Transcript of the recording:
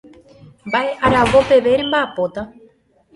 Mba'e aravo peve remba'apóta.